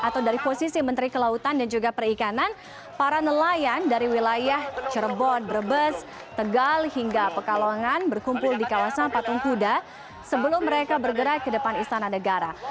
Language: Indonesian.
pada saat ini para nelayan dari wilayah cirebon brebes tegal hingga pekalongan berkumpul di kawasan patung kuda sebelum mereka bergerak ke depan istana negara